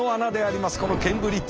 このケンブリッジ。